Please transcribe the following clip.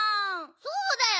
そうだよ！